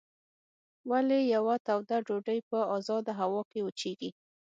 ولې یوه توده ډوډۍ په ازاده هوا کې وچیږي؟